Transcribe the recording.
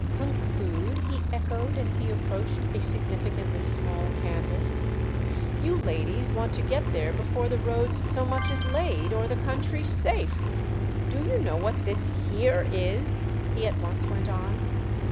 "'Conclude'?" he echoed as he approached a significantly small canvas. "You ladies want to get there before the road's so much as laid or the country's safe! Do you know what this here is?" he at once went on.